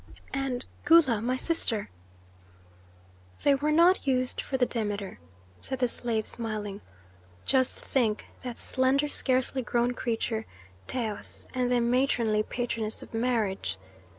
"And Gula my sister?" "They were not used for the Demeter," said the slave, smiling. "Just think, that slender scarcely grown creature, Taus, and the matronly patroness of marriage.